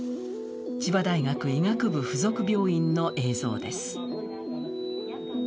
千葉大学医学部附属病院の映像です。